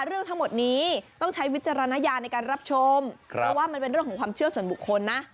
เรื่องทั้งหมดนี้ต้องใช้วิจารณญาณในการรับชมเพราะว่ามันเป็นเรื่องของความเชื่อส่วนบุคคลนะ